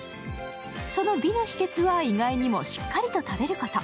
その美の秘けつは意外にもしっかりと食べること。